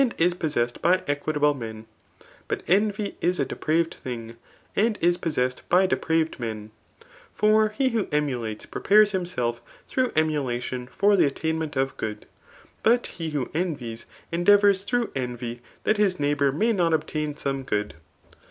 is possessed by eqw table men ; but ekivy is a depraYed diing, and is possessed jby depraved men* For he, who emulates pre^axes him 6elf through emulation for the attainment of good, bitt he who envies endeavours through envy that his neigh* bour may not obtain some good.